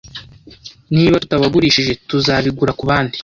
Niba tutabagurishije, bazabigura kubandi.